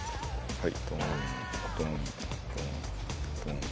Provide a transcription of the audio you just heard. はい。